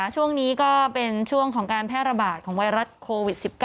ช่วงนี้ก็เป็นช่วงของการแพร่ระบาดของไวรัสโควิด๑๙